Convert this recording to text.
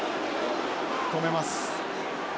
止めます。